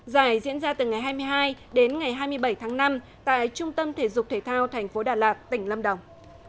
giải diễn ra từ ngày hai mươi hai đến ngày hai mươi bảy tháng năm tại trung tâm thể dục thể thao tp đà lạt tỉnh lâm đồng